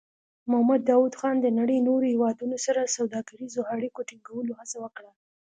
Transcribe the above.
محمد داؤد خان د نړۍ نورو هېوادونو سره سوداګریزو اړیکو ټینګولو هڅه وکړه.